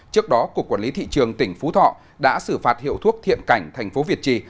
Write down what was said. trước đó cục quản lý thị trường tỉnh phú thọ đã xử phạt hiệu thuốc thiện cảnh thành phố việt trì